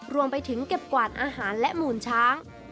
รวมไปถึงเก็บกวาดอาหารและหมูลช้าง